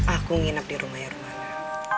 aku nginep di rumahnya rumah nah